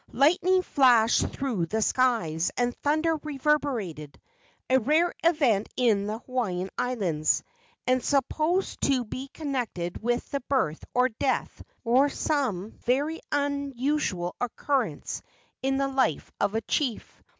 Lightning flashed through the skies, and thunder reverberated—a rare event in the Hawaiian Islands, and supposed to be connected with the birth or death or some very unusual occurrence in the life of a chief.